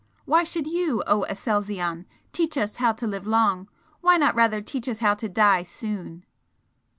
Why should you, O Aselzion, teach us how to live long? Why not rather teach us how to die soon?"